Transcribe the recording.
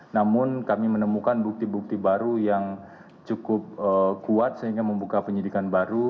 namun kami menemukan bukti bukti baru yang cukup kuat sehingga membuka penyidikan baru